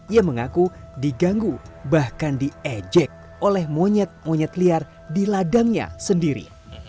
ia mengaku diganggu bahkan diejek oleh monyet monyet liar di ladangnya sendiri